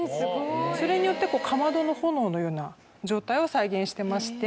それによってかまどの炎のような状態を再現してまして。